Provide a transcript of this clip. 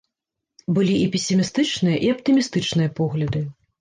Былі і песімістычная, і аптымістычныя погляды.